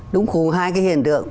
đúng cùng hai cái hiện tượng